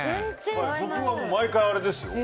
僕は毎回あれですよ。